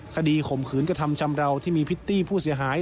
ข่มขืนกระทำชำราวที่มีพิตตี้ผู้เสียหาย